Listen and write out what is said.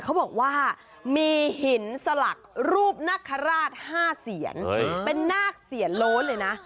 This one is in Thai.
เขาบอกว่ามีหินสลักรูปนาคาราช๕เสียนเป็นนาคเสียนโล้นเลยนะ